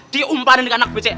diumpanin ke anak bc